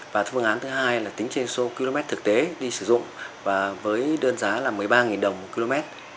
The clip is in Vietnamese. và phương án thứ hai là tính trên số km thực tế đi sử dụng và với đơn giá là một mươi ba đồng một km